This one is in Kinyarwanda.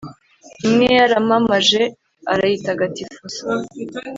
imwe yarayamamaje, arayitagatifuza